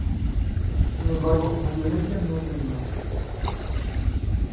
Sin embargo, la violencia no terminó.